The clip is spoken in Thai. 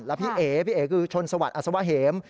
แล้วพี่เอ๋พี่เอ๋คือชนสวัสดิอัศวะเหม